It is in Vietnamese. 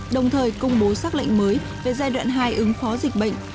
đồng thời công bố xác lệnh mới về giai đoạn hai ứng phó dịch bệnh